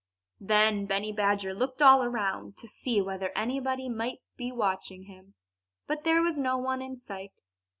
Then Benny Badger looked all around, to see whether anybody might be watching him. But there was no one in sight.